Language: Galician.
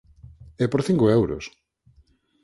¡E por cinco euros!